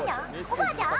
おばあちゃん！